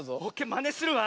まねするわ。